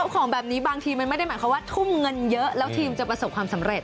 ของแบบนี้บางทีมันไม่ได้หมายความว่าทุ่มเงินเยอะแล้วทีมจะประสบความสำเร็จ